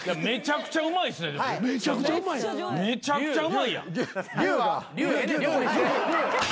めちゃくちゃうまいやん。